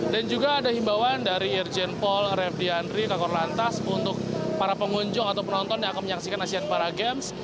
dan juga ada himbawan dari irjen paul rev dianri kakor lantas untuk para pengunjung atau penonton yang akan menyaksikan asean paragames